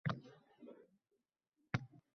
Faqat samimiyat unda mujassam.